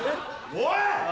おい！